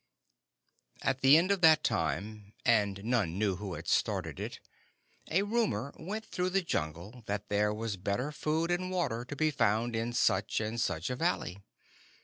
At the end of that time and none knew who had started it a rumor went through the Jungle that there was better food and water to be found in such and such a valley.